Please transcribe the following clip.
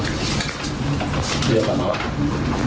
คือปรับราวะ